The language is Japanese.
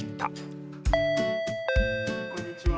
・こんにちは。